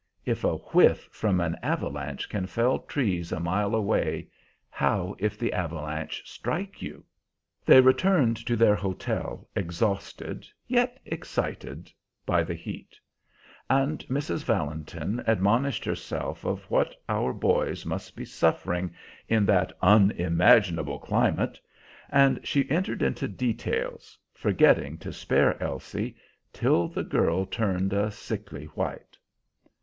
If a whiff from an avalanche can fell trees a mile away, how if the avalanche strike you? They returned to their hotel, exhausted, yet excited, by the heat; and Mrs. Valentin admonished herself of what our boys must be suffering in that "unimaginable climate," and she entered into details, forgetting to spare Elsie, till the girl turned a sickly white.